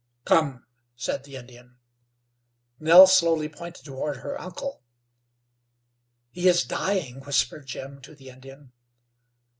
"Come," said the Indian. Nell silently pointed toward her uncle. "He is dying," whispered Jim to the Indian.